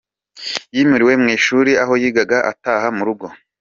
Yimuriwe mu ishuri aho yigaga ataha mu rugo.